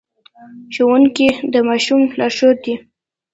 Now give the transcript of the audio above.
ښوونکي د ماشوم لارښود دي.